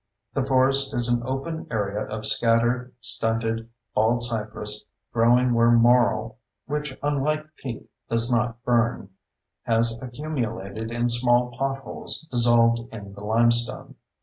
The forest is an open area of scattered, stunted baldcypress growing where marl (which, unlike peat, does not burn) has accumulated in small potholes dissolved in the limestone.